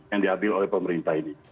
yang diambil oleh pemerintah ini